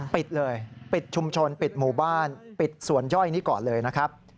ปิดเลยปิดชุมชนปิดหมู่บ้านปิดสวนย่อยนี้ก่อนเลยนะครับ